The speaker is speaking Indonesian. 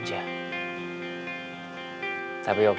jadi jaga diri